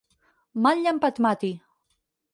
Mal llamp et mati!